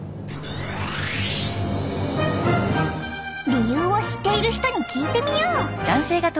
理由を知っている人に聞いてみよう！